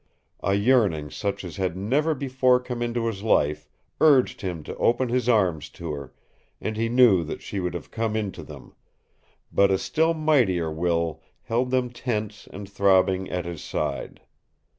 A yearning such as had never before come into his life urged him to open his arms to her, and he knew that she would have come into them; but a still mightier will held them tense and throbbing at his side.